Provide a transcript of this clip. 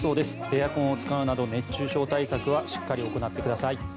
エアコンを使うなど熱中症対策はしっかり行ってください。